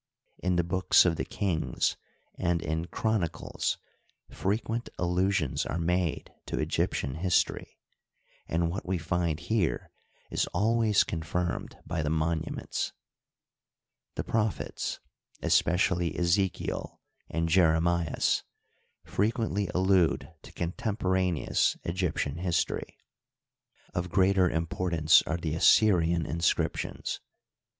In the books of the Kings and in Chronicles frequent al lusions are made to Egyptian history, and what we find here is always confirmed by the monuments. The proph ets, especially Ezekiel and Jeremias, frequently allude to contemporaneous Egyptian history. Of greater impor tance are the Assyrian inscriptions.